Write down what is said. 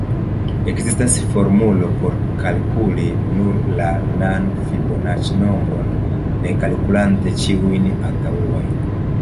Ekzistas formulo por kalkuli nur la n-an Fibonaĉi-nombron ne kalkulante ĉiujn antaŭajn.